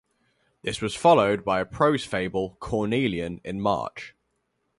This was followed by a prose fable, "Cornelian", in March.